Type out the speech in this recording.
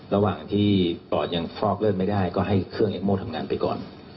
ระหว่างที่ปอดยังฟอกเลือดไม่ได้ก็ให้เครื่องเอ็มโม่ทำงานไปก่อน